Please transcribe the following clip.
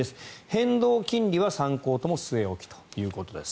変動金利は３行とも据え置きということです。